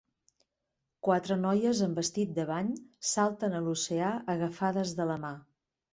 Quatre noies amb vestit de bany salten a l'oceà agafades de la mà.